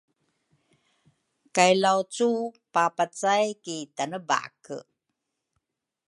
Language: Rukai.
kay Laucu papacay ki Tanebake.